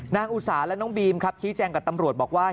นักอุตสาละน้องบีมชี้แจงกับตำรวจบอกว่า